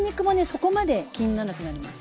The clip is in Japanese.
そこまで気にならなくなります。